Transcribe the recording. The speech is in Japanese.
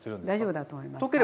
大丈夫だと思います。